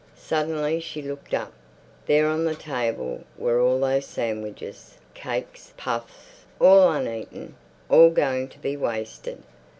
Suddenly she looked up. There on the table were all those sandwiches, cakes, puffs, all uneaten, all going to be wasted.